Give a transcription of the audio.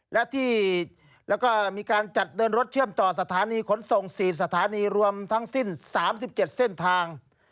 และที่แล้วก็มีการจัดเดินรถเชื่อมต่อสถานีขนส่ง๔สถานีรวมทั้งสิ้น๓๗เส้นทาง